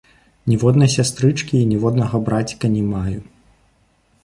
Ніводнай сястрычкі і ніводнага браціка не маю.